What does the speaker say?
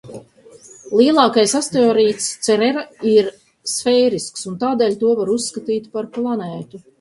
Lielākais asteroīds, Cerera, ir sfērisks un tādēļ to var uzskatīt par planētu.